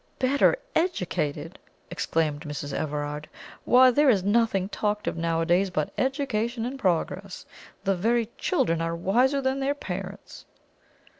"Better educated!" exclaimed Mrs. Everard. "Why, there is nothing talked of nowadays but education and progress! The very children are wiser than their parents!"